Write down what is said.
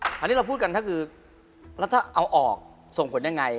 อันนี้เราพูดกันก็คือแล้วถ้าเอาออกส่งผลยังไง